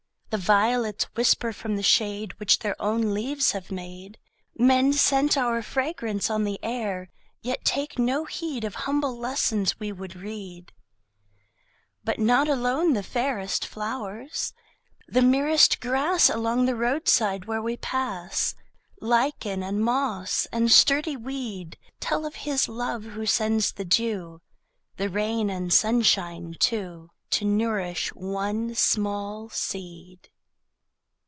The violets whisper from the shade Which their own leaves have made: Men scent our fragrance on the air, Yet take no heed Of humble lessons we would read. But not alone the fairest flowers: The merest grass Along the roadside where we pass, Lichen and moss and sturdy weed, Tell of His love who sends the dew, The rain and sunshine too, To nourish one small seed.